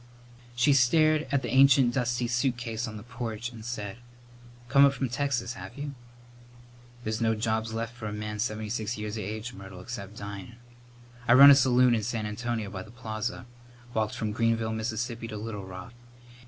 She stared at the ancient dusty suitcase on the porch and said, "Come up from Texas, have you?" "There's no jobs lef for a man seventy six years of age, Myrtle, except dyin.' I run a saloon in San Antonio by the Plaza. Walked from Greenville, Mississippi, to Little Rock.